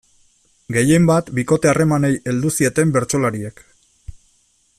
Gehienbat, bikote-harremanei heldu zieten bertsolariek.